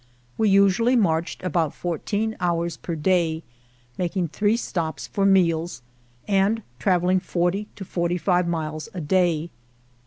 We usually marched about fourteen hours per day, making three stops for meals, and traveling forty to forty five miles a day.